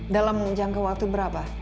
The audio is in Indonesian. dalam jangka waktu berapa